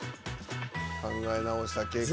考え直した結果。